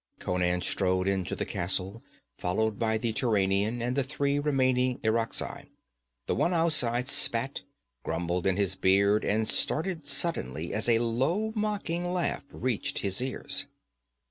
Conan strode into the castle, followed by the Turanian and the three remaining Irakzai. The one outside spat, grumbled in his beard, and started suddenly as a low mocking laugh reached his ears.